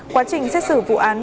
quá trình xét xử vụ án